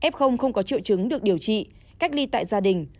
f không có triệu chứng được điều trị cách ly tại gia đình